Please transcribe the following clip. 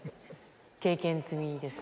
経験済みです。